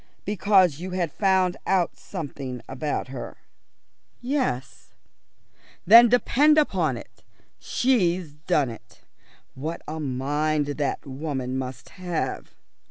"Because you had found out something about her?" "Yes." "Then depend upon it, she's done it. What a mind that woman must have!"